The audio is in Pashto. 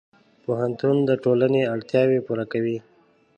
پوهنتون د ټولنې اړتیاوې پوره کوي.